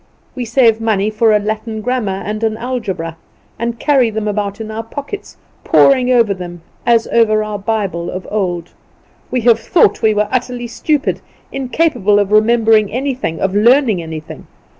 We save money for a Latin Grammar and Algebra, and carry them about in our pockets, poring over them as over our Bible of old. We have thought we were utterly stupid, incapable of remembering anything, of learning anything.